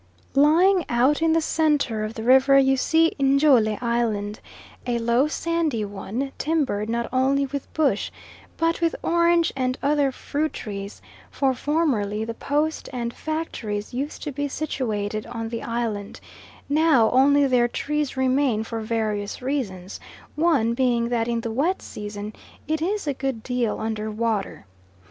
Lying out in the centre of the river you see Njole Island, a low, sandy one, timbered not only with bush, but with orange and other fruit trees; for formerly the Post and factories used to be situated on the island now only their trees remain for various reasons, one being that in the wet season it is a good deal under water.